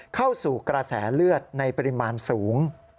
เข้าสู่กระแสเลือดในปริมาณสูง